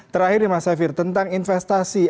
terakhir nih mas syafir tentang investasi